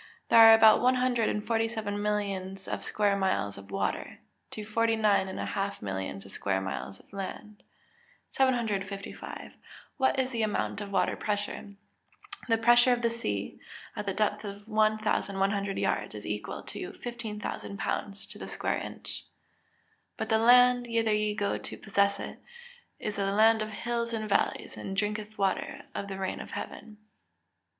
_ There are about one hundred and forty seven millions of square miles of water, to forty nine and a half millions of square miles of land. 755. What is the amount of water pressure? The pressure of the sea, at the depth of 1,100 yards, is equal to 15,000 lbs. to the square inch. [Verse: "But the land, whither ye go to possess it, is a land of hills and valleys, and drinketh water of the rain of heaven."